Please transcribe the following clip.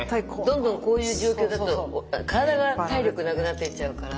どんどんこういう状況だと体が体力なくなっていっちゃうから。